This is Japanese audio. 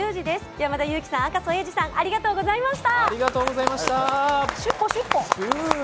山田裕貴さん、赤楚衛二さんありがとうございました。